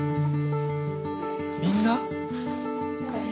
みんな？へ。